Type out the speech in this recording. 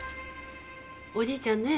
おじいちゃんね